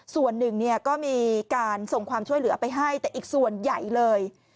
ส่วนหนึ่งเนี่ยก็มีการส่งความช่วยเหลือไปให้แต่อีกส่วนใหญ่เลย